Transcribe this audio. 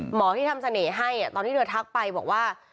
หมอที่ทำเสน่ห์ให้ตอนที่เธอทักไปบอกว่า